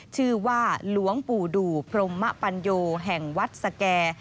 ชื่อว่าหลวงปู่ดูพรหมปัญโยแห่งวัดสแก่